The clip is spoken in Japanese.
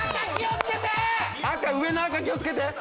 赤上の赤気をつけて！